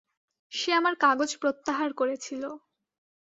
সে আমার কাগজ প্রত্যাহার করেছিল।